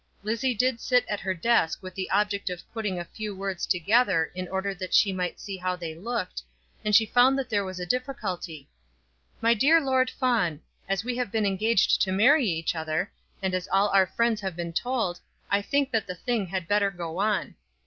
Lizzie did sit at her desk with the object of putting a few words together in order that she might see how they looked, and she found that there was a difficulty. "My dear Lord Fawn. As we have been engaged to marry each other, and as all our friends have been told, I think that the thing had better go on."